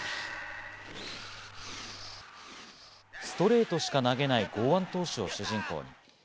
ストレートしか投げない豪腕投手を主人公に。